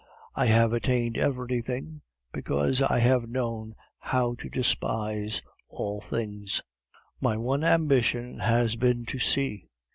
I have attained everything, because I have known how to despise all things. "My one ambition has been to see.